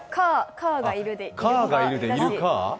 カーがいるで、いるか。